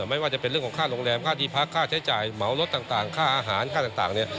ไม่ว่าจะเป็นเรื่องของค่าโรงแรมค่าที่พักค่าใช้จ่ายเหมารถต่างค่าอาหารค่าต่าง